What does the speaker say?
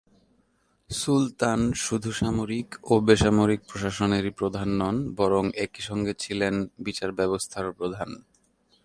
সুলতান শুধু সামরিক ও বেসামরিক প্রশাসনেরই প্রধান নন, বরং একই সঙ্গে ছিলেন বিচারব্যবস্থারও প্রধান।